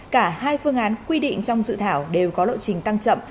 cả hai phương án quy định trong dự thảo đều có lộ trình tăng chậm